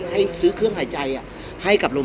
พี่อัดมาสองวันไม่มีใครรู้หรอก